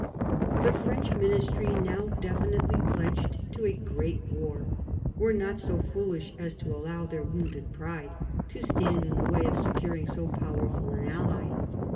The French ministry, now definitely pledged to a great war, were not so foolish as to allow their wounded pride to stand in the way of securing so powerful an ally.